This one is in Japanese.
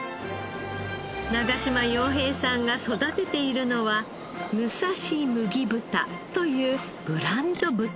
長島洋平さんが育てているのはむさし麦豚というブランド豚。